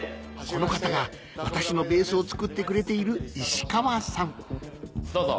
この方が私のベースを作ってくれている石川さんどうぞ。